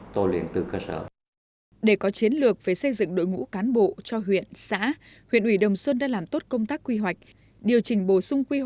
trong đó chú trọng xây dựng đội ngũ cán bộ công chức viên chức bảo đảm tiêu chuẩn chính trị